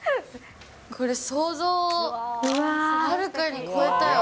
これ、想像をはるかに超えたよ。